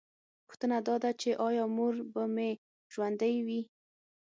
پوښتنه دا ده چې ایا مور به مې ژوندۍ وي